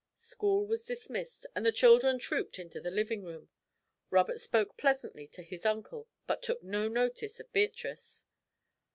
School was dismissed and the children trooped into the living room. Robert spoke pleasantly to his uncle, but took no notice of Beatrice.